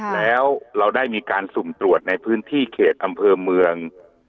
แล้วเราได้มีการสุ่มตรวจในพื้นที่เขตอำเภอเมือง